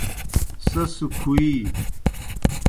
سیْس کُھوِیی۔